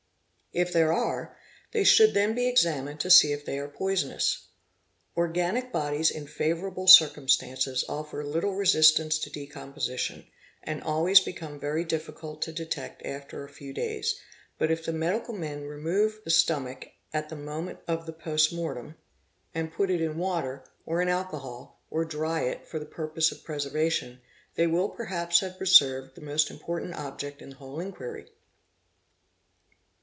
If there are, they should then be examined, to see if they are poisonous. Organic bodies in favourable circumstances offer little resistance to decomposi tion, and always become very difficult. to detect after a few days, but if the medical men remove the stomach at the moment of the post mortem and put it in water, or in alcohol, or dry it, for the purpose of preservation, they will perhaps have preserved the most important _ object in the whole inquiry.